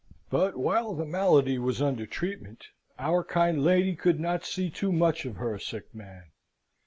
But, while the malady was under treatment, our kind lady could not see too much of her sick man.